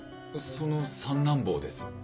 その三男坊です。